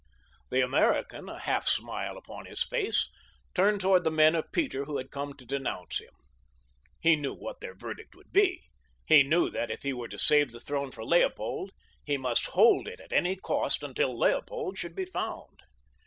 The American, a half smile upon his face, turned toward the men of Peter who had come to denounce him. He knew what their verdict would be. He knew that if he were to save the throne for Leopold he must hold it at any cost until Leopold should be found.